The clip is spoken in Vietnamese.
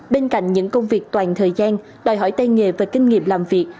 bên cạnh những công việc toàn thời gian đòi hỏi tay nghề và kinh nghiệm làm việc